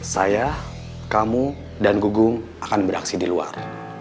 saya kamu dan gugung akan beraksi di luar